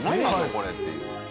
これ」っていう。